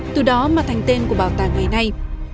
từ đó mà thành tên của bảo tàng ngày nay